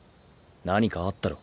何かあったろ？